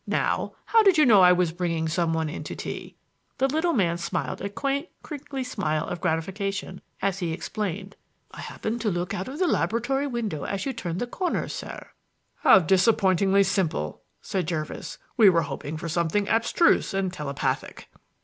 "Now, how did you know I was bringing some one in to tea?" The little man smiled a quaint, crinkly smile of gratification as he explained: "I happened to look out of the laboratory window as you turned the corner, sir." "How disappointingly simple," said Jervis. "We were hoping for something abstruse and telepathic."